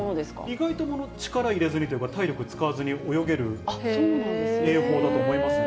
意外と力入れずにというか、体力使わずに泳げる泳法だと思いますね。